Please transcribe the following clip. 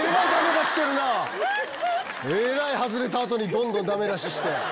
えらい外れた後にどんどんダメ出しして。